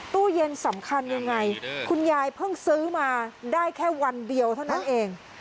ตู้เย็นสำคัญยังไงคุณยายเพิ่งซื้อมาได้แค่วันเดียวเท่านั้นเอง